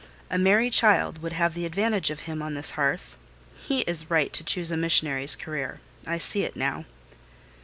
A merry child would have the advantage of him on this hearth. He is right to choose a missionary's career—I see it now."